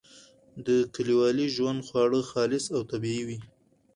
د کلیوالي ژوند خواړه خالص او طبیعي وي.